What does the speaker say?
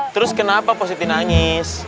terus kenapa positi nangis